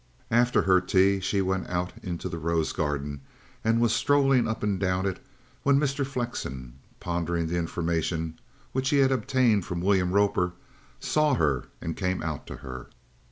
After her tea she went out into the rose garden and was strolling up and down it when Mr. Flexen, pondering the information which he had obtained from William Roper, saw her and came out to her.